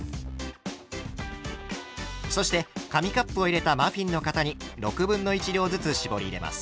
そして紙カップを入れたマフィンの型に６分の１量ずつ絞り入れます。